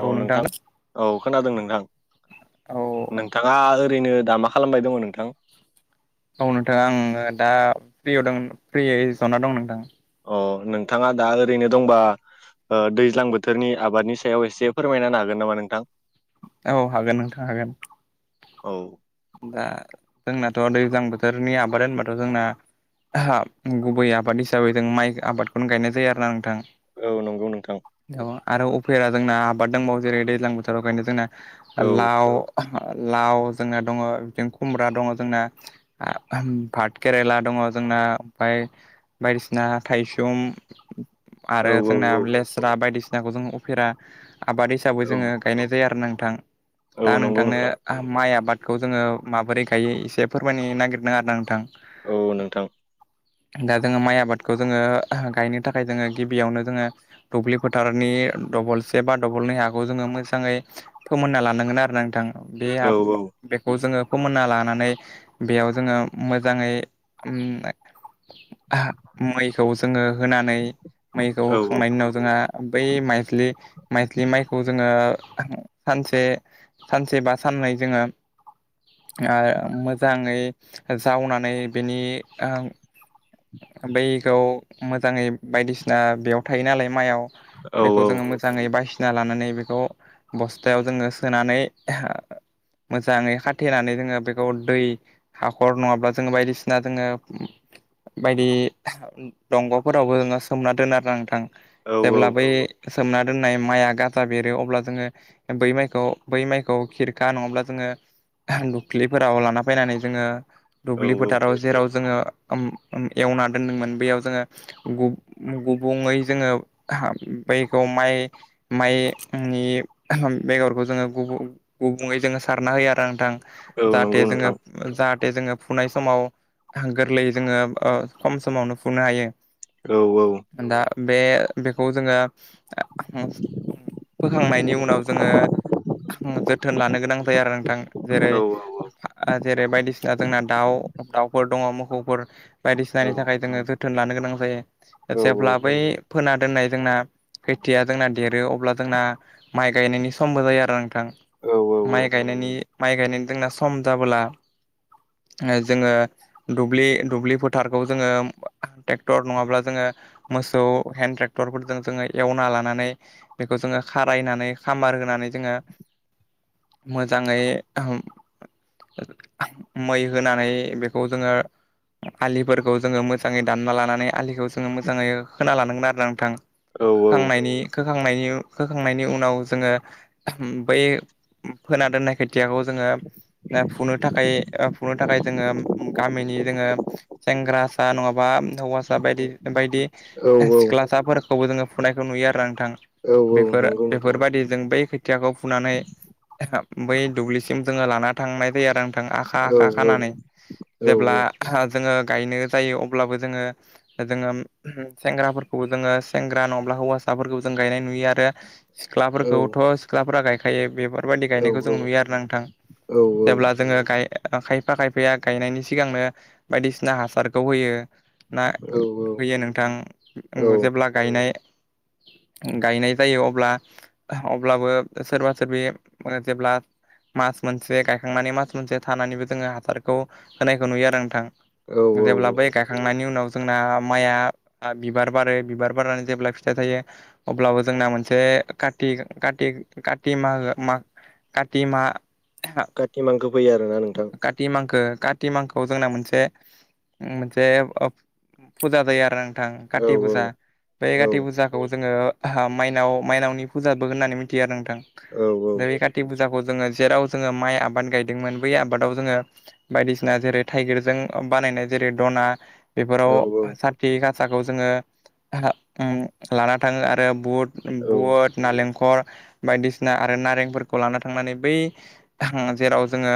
औ नोंथां औ खोनादों नोंथां औ नोंथाङा ओरैनो दा मा खालामबाय दङ नोंथां? औ नोंथां आङो दा फ्रियाव दं फ्रिय जना दं नोंथां अ नोंथाङा दा ओरैनो दंबा ओ दैज्लां बोथोरनि आबादनि सायाव एसे फोरमायनो हागोन नामा नोंथां। औ हागोन नोंथां हागोन औ दा जोंनाथ' दैज्लां बोथोरनि आबाद होनबाथ जोंना हा गुबै आबाद हिसाबै जों माइ आबादखौनो गायनाय जायो आरो ना नोंथां। औ नंगौ नोंथां औ आरो उफेरा जोंना आबाद दंबावो जेरै दैज्लां बोथोराव खायनो जोंना औ लाव लाव जोंना दङ बिदिनो खुमब्रा दङ जोंना भात केेरेला दङ दङ जोंना ओमफ्राय बायदिसिना थाइसुम औ आरो औ जोंना औ लेस्रा बायदिसिनाखौ जों उफेरा आबाद हिसाबै औ जोङो गायनाय जायो आरो नोंग थां दा औ नंगौ नोंथां नोंथांनो माइ आबाद बेखौ जोङो माबोरैखायो एसे फोरमायनो नागिरदों आरो नोंथां। औ नोंथां दा जोङो माइ आबादखौ जोङो गायनो थाखाय जोङो गिबियावनो जोङो दुब्लि फोथारनि दबलसे बा दबलनै हाखौ जोङो मोजाङै फोमोनना लानांगोन आरोना नोंथाङा बे औ बेखौ जोङो फोमोनना लानानै बेयाव जोङो मोजाङै मैखौ जोङो होनानै मैखौ औ होखांनायनि उनाव जोंहा बै माइलि माइज्लि माइखौ जोङो सानसे सानसे बा साननै जोङो ओ मोजाङै जावनानै बेनि ओ बैखौ मोजाङै बायदिसिना बेयाव थायो नालाय माइआव औ बेखौ जोङो मोजाङै बायसिना लानानै बेखौ बस्थायाव जोङो सोनानै मोजाङै खाथेनानै जोङो बेखौ दै हाखर नङाब्ला जोङो बायदिसिना जोङो बायदि दंगफोरावबो सोमना दोनो आरो नोंथां। औ जेब्ला बै सोमना दोननाय माइया गाजा बेरो अब्ला जोङो बै माइखौ बै माइखौ खिरखा नङाब्ला जोङो दुब्लिफोराव लाना फैनानै जोङो औ दुब्लि फोथाराव जेराव जोङो एवना दोन्दोंमोन बेयाव जोङो गुबुङै जोङो बैखौ माइ माइनि बेगरखौ जोङो गुब गुबुङै जोङो सारना होयो आरो नोंथां औ नंगौ जाहाथेजोंङो नोंथां जा जाहाथे जोङो फुनाय समाव गोरलै जोङो खम समावनो फुनो हायो औ औ दा बे बेखौ जोङो फोखांनायनि उनाव जोङो जोथोन लानो गोनां जायो आरो नोंथां जेरै औ औ जेरै बायदिसिना जोंना दाउ दाउफोर दङ मोखौफोर औ बायदिसिनानि थाखाय जोङो जोथोन लानो गोनां जायो औ जेब्ला बै फोना दोननाय जोंना खैथिया जोंना देरो अब्ला जोंना माइ गायनायनि समबो जायो आरो नोंथां औ माइ गायनायनि माइ गायनाय ददोंना सम जाबोला। जोङो दुब्लि दुब्लि फोथारखौ जोङो ट्रेक्टर नङाब्ला जोङो मोसौ हेन्द ट्रेक्टर फोरजों जोङो एवना लानानै बेखौ जों खारायनानै खामार होनानै जोङो मोजाङै ओहोम मै होनानै बेखौ जोङो आलिफोरखौ जोङो मोजाङै दानना लानानै आलिखौ जोङो मोजाङै खोना लानांगोन आरो ना नोंथां औ औ खोखांनायनि खोखांनायनि खोखांनायनि उनाव जोङो बै फोना दोननाय खै खथियाखौ जोङो फुनो थाखाय फुनो थाखाय जोङो गामिनि जोङो सेंग्रासा नङाबा हौवासा बायदि बायदि सिख्लासाफोरखौबो जोङो फरायनायखौ नुयो आरो ना नोंथां औ बेफोर नंगौ नोंथां बेफोरबायदि जों बै खोथियाखौ फुनानै बै दुब्लिसिम जोङो लाना थांनाय जायो आरो औ आखा आखा औ खानानै जेब्ला औ जोङो गायनो जायो अब्लाबो जोंङो जोंङो सेंग्राफोरखौबो जोंङो सेंग्रा नङाब्ला हौवा ख्लाफोरखौ जों गायनाय नुयो आरो सिख्ला खौथ' सिख्लाफोरा गायखायो बेफोरबायदि औ गायनायखौ जों औ नुयो आरो ना नोंथां औ जेब्ला जोङो गाय ओ खायफा खायफाया गायनायनि सिगांनो बायदिसिना हासारखौ होयो ना औ होयो नोंथां औ जेब्ला गायनाय गायनाय जायो अब्ला अब्लाबो सोरबा सोरबिे जेब्ला मास मोनसे गायखांनानै मास मोनसे थानानैबो जोङो हासारखौ होनायखौ नुयो आरो नोंथां। औ औ जेब्ला औ बै गायखांनायनि उनाव जोंना माइआ ओ बिबार बारो बिबार बारनानै जेब्ला फिथाइ थायो अब्लाबो जोंना मोनसे का‌ ति कातिग काति मागो माग काति मा काति मांखो फैयो आरोना नोंथां काति मांखो काति मांखोआव जोंना मोनसे मोनसे फुजा जायो आरो औ काति फुजा बे औ काति फुजाखौ जोङो माइनाव माइनावनि फुजाबो होननानै मिथियो आरो नोंथां औ-औ। दा बे काति फुजाखौ जोङो जेराव जोङो माइ आबाद गायदोंमोन बै आबादाव जोङो बायदिसिना जेरै थाइगिरजों बानायनाय जेरै दना औ बेफोराव साथि गासाखौ जोंङो लाना थाङो आरो बुट उम औ औ [unintelligible] नालेंखर बायदिसिना आरो नारेंफोरखौ लाना थांनानै बै जेराव जोङो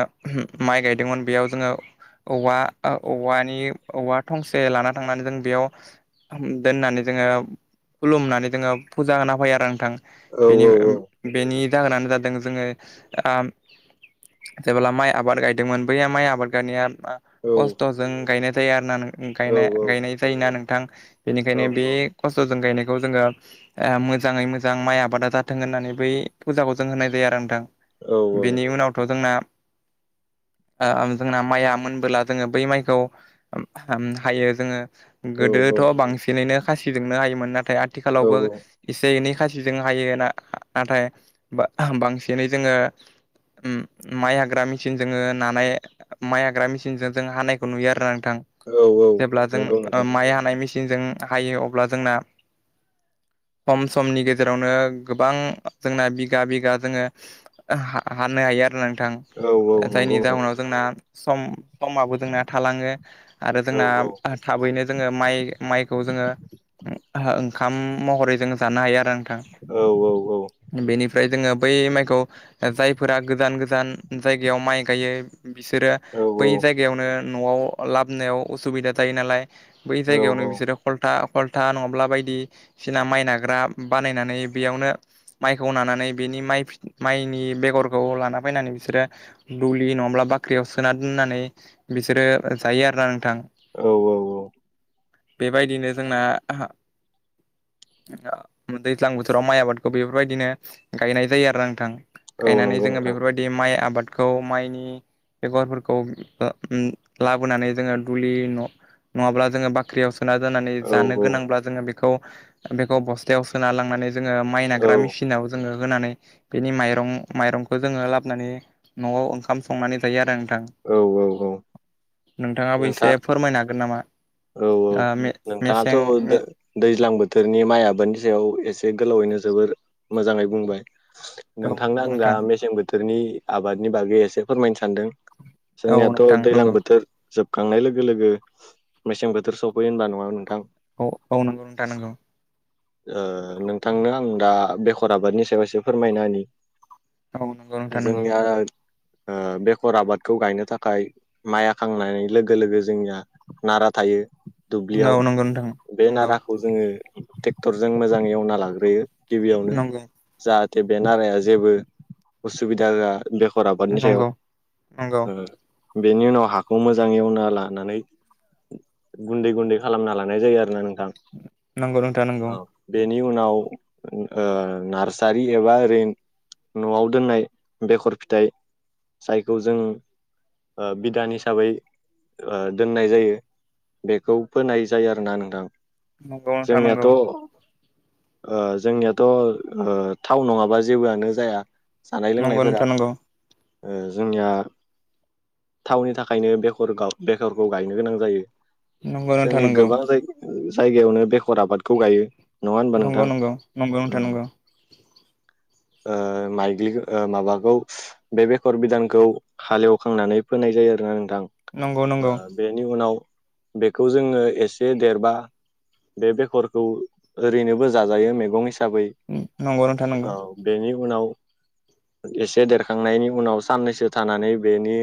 माइ गायदोंमोन बेयाव जोङो औवा औवानि औवा थंसे लाना थांनानै जों बेयाव दोननानै जोङो खुलुमनानै जोङो फुजा होना फैयो आरो नोंथां औ बेनि बेनि जाहोनानो जादों जोंङो आम जेब्ला माइ आबाद गायदोंमोन बैया माइ आबाद गायनाया आ खस्थ'जों गायनाय जायो आरो ना नों गायनाय गायनाय जायोना नोंथां बेनिखायनो बे खस्थ'जों गायनायखौ जोंङो मोजाङै मो जां माइ आबादा जाथों होननानै बै फुजाखौ जों होनाय जायो आरो नोंथां बेनि उनावथ' जोंना [inaudible] ओ जोंना माइआ मोनबोला जोङो बै माइखौ हायो जोङो गोदोथ' बांसिनैनो खासिजोंनो हायोमोन नाथाय आथिखालावबो एसे एनै हायो ना नाथाय बांसिनै जोंङो उम माइ हाग्रा मेसिन जोङो नानाय माइ हाग्रा मेसिनजों जों हानायखौ नुयो आरो ना औ औ जेब्ला जों नंगौ ओ नोंथां माय हानाय मे सिनजों हायो अब्ला जोंना खम समनि गेजेराव गेजेरावनो गोबां जोंना बिगा बिगा जोङो हानो हायो आरो ना औ औ नंगौ जायनि नोंथां जाहोनाव जोंना सम समाबो जोंना थालाङो आरो औ जोंना औ थाबैनो जोङो माइ माइखौ जोङो ओंखाम महरै जों जानो हायो आरो आ औ औ औ ओमफ्राय जोङो बै माइखौ जायफोरा गोजान गोजान जायगायाव माइ गायो बिसोरो बै जायगायावनो न'आव लाबोनायाव उसुबिदा जायो नालाय बै जायगायावनो बिसोरो कलथा कल्था नङाब्ला बायदिसिना माइ नाग्रा बानायनानै बेयावनो माइखौ नानानै बेनि माय माइनि बेगरखौ लाना फैनानै बिसोर बिसोर दुलि नङाब्ला बाख्रियाव सोना दोननानै बिसोरो जायो आरो ना औ औ औ बेबायदिनो जोंना दैज्लां बोथोराव माइ आबादखौ बेफोरबायदिनो गायनाय जायो आरो ना नोंथां औ गायनानै नंगौ जोङो नोंथां बेफोरबायदि माइ आबादखौ माइनि बेगरफोरखौ लाबोनानै जोङो दुलि नङाब्ला जोङो बाख्रियाव सोनानै औ औ ज गोनांब्ला जोङो बेखौ बेखौ बस्थायाव सोना लांनानै जोङो माइ औ नाग्रा मेसिनाव जोङो होनानै बेनि माइरं माइरंखौ जोङो लाबोनानै न'आव ओंखाम संनानै जायो आरो नोंथां औ औ औ नोंथाङाबो एसे नोंथां फोरमायनो हागोन नामा औ औ ओ मे मेसें नोंथाङाथ' मे दै दैज्लां बोथोरनि माइआबो सायाव एसे गोलावैनो जोबोर मोजाङै बुंबाय औ नोंथांनो नंगौ आं दा नोंथां मेसें बोथोरनि आबादनि बागै एसे फोरमायनो सानदों औ जोंनियाथ' नोंथां दैलां नंगौ बोथोर जोब खांनाय लोगो लोगो मेसें बोथोर सफैयो होनबा नङा नोंथां औ औ नंगौ नोंथां नंगौ। ओ नोंथांनो आं दा बेखर आबादनि सायावसो फोरमायना होनि औ नंगौ नोंथां नंगौ। ओ बेखर आबादखौ गायनो थाखाय माइ खांनाय लोगो लोगो जोंनिया नारा थायो दुब्लियाव औ नंगौ नोंथां बे नंगौ नाराखौ जोङो ट्रेक्टरजों मोजां एवना लाग्रोयो गिबियावनो नंगौ जा हाथे बे नाराया जेबो असुबिदा होआ बेखर आबादनि सायाव नंगौ नंगौ ओ बेनि उनाव हाखौ मोजां एवना लानानै गुन्दै गुन्दै खालामना लानाय जायो आरो ना नों नंगौ नोंथां नंगौ। नि उनाव ओ नार्सारि एबा ओरैनो न'आव दोननाय बेखर फिथाइ जायखौ जों ओ बिधान हिसाबै ओ दोननाय जायो। बेखौ फोनाय जायो आरोना नोंथां। नंगौ नोंथां जोंनियाथ' नंगौ। ओ जोंनियाथ' ओ थाव नङाबा जेबोआनो जाया। जानाय नंगौ लोंनायफोरा नोंथां नंगौ ओ जोंनिया थावनि थाखायनो बेखर बेखरखौ गायनो गोनां जायो। नंगौ नोंथां जोंनि नंगौ गोबां जाय जायगायावनो बे खर आबादखौ गायो नङा होमबा नोंथां ओम। [inaudible] ओ माइग्लि माबाखौ बे बेखर बिदानखौ हालेवखांनानै फोनाय जायो आरोना नों नंगौ थां नंगौ बेनि उनाव बेखौ जोङो एसे देरबा बे बेखरखौ ओरैनोबो जाजायो मैगं हिसा बै नंगौ नोंथां नंगौ औ बेनि उनाव एसे देरखांनायनि उनाव साननैसो थानानै बेनि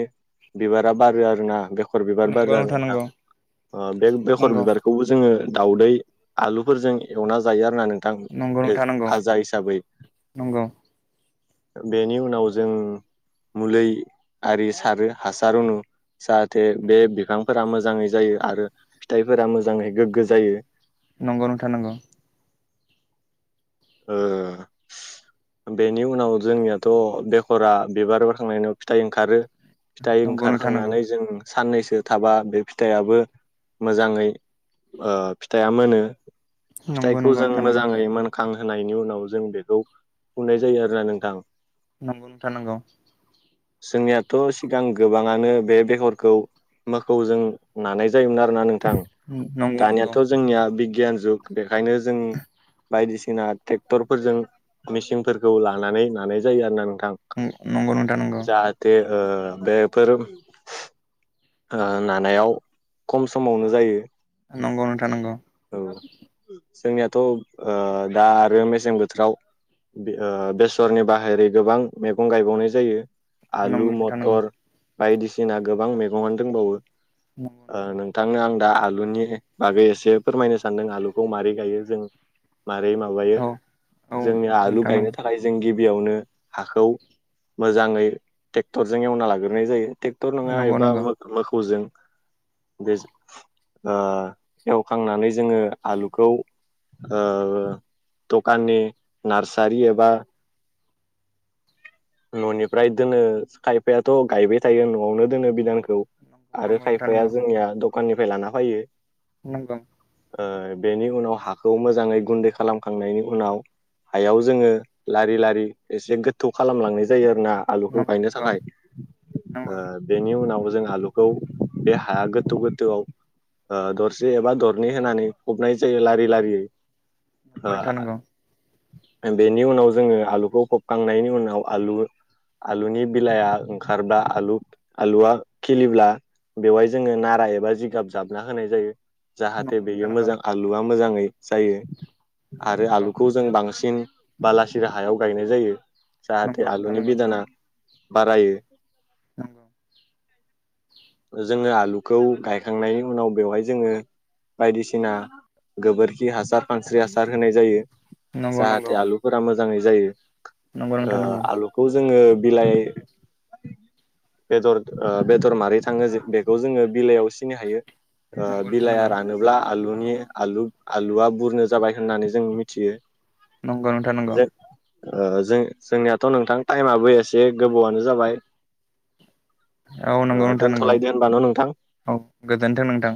बिबारा बारो आरो ना बेखर बिबार बारो नंगौ नंगौ आरो नोंथां नंगौ बे बेखर नंगौ बिबारखौबो जों जोङो दाउदै आलुफोरजों एवना जायो आरो ना नों थां नंगौ इज नोंथां नंगौ भाजा हिसाबै नंगौ बेनि उनाव जों मुलै आरि सारो हासार रुनु जाहाथे बे बिफांफोरा मोजाङै जायो आरो फिथाइफोरा मोजाङै गोग्गो जायो। नंगौ नोंथां नंगौ। ओ बेनि उनाव जोंनियाथ' बेख'रा बिबार बाराखांनायनि उनाव फिथाइ ओंखारो। फिथाइ नंगौ नोंथां नंगौ ओंखारखांनानै जों साननैसो थाबा बे फिथाइयाबो मोजाङै फिथाइया मोनो। नंगौ नंगौ फिथाइखौ जों नोंथां नंगौ मोजाङै मोन होनायनि उनाव जों बेखौ फुनाय जायो आरोना नोंथां। नंगौ नोंथां नोंगौ। जोंनियाथ' सिगां गोबाङानो बे बेगरखौ मोखौजों नानाय जोयोमोन आरोना नोंथां नंगौ दानियाथ' जोंनिया बिगियान जुग बेनिखायनो जों बायदिसिना ट्रेक्टर फोरजों मेचिनफोरखौ लानानै नानाय जायो आरोना नों थां नंगौ नंगौ नोंथां नंगौ जाहाथे ओ बेफोर ओ नानायाव खम समावनो जायो। नंगौ नोंथां नंगौ। औ जोंनियाथ' ओ दा आरो मेसें बोथोराव बेसरनि बाहेरै गोबां मैगं गायबावनाय जायो आलु नंगौ नोंथां मथर नंगौ बायदिसिना गोबां मैगंआनो दंबावो नंगौ नोंथां नंगौ नोंथांनो आं दा आलुनि बागै एसे फोरमायनो सानदों आलुखौ माबोरै गायो जों मारै माबायो औ औ जोंनि आलु नोंथां गायनो नंगौ थाखाय जों गि बियावनो हाखौ मोजाङै ट्रेक्टरजों एवना लाग्रोनाय जायो ट्रेक्टर नङा नंगौ एबा नंगौ मोसौजों बे फांनानै जोङो आलुखौ ओ दखाननि नार्सारि एबा न'निफ्राय दोनो खायफायाथ' गायबाय थायो न'आवनो दोनो बिदानखौ खौ आरो नंगौ नोंथां खायफाया नंगौ जोंनिया दखाननिफ्राय लाना फैयो नंगौ बेनि उनाव हाखौ मोजाङै गुन्दै खालामखांनायनि उनाव हायाव जोङो लारि लारि एसे गोथ थौ खालामलांनाय जायो आरो ना आलुखौ नंगौ गायनो नंगौ थाखाय नंगौ बेनि उनाव जों आालुखौ बे हाया गोथौ गोथौआव दरसे एबा दरनै होनानै फबनाय जायो लारि लारियै नंगौ नोंथां ओ नंगौ बेनि उनाव जोङो आलुखौ फबखांनायनि उनाव आलु आलुनि बिलाआ ओंखारब्ला आलु आलुआ खिलिब्ला बेवहाय जोङो नारा एबा जिगाब जाबना होनाय जायो जाहाथे नंगौ नोंथां बेयो नंगौ मोजां आलुआ मोजाङै जायो आरो आलुखौ जों बांसिन बालासिरा हायाव गायनाय जायो नंगौ नंगौ जाहाथे नंगौ नोंथां आलुनि बिदाना बारायो नंगौ जोङो आलुखौ गायखांनायनि उनाव बेवहाय जोङो बायदिसिना गोबोरखि हासार फानस्रि हासार होनाय जायो। नंगौ नंगौ जाहाथे आलुफोरा मोजाङै जायो। नंगौ ओ नोंथां नंगौ। आलुखौ जोङो बिलाइ बेदर ओ बेदर मारै थाङो जों बेखौ जोङो बिलाइयाव सिनि हायो। ओ नंगौ बिलाइया रानोब्ला आलुनि आलु आलुआ बुरनो जाबाय होननानै जों मिथियो। नंगौ नोंथा नंगौ। जे ओ जों जोंनियाथ' नोंथां टाइमआो एसे गोबावआनो जाबाय। औ नंगौ ओ नोंथां नंगौ दोनथ'लायदो होनब न' नोंथां। औ गोजोन्थों नोंथां